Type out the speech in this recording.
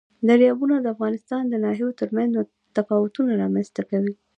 دریابونه د افغانستان د ناحیو ترمنځ تفاوتونه رامنځ ته کوي.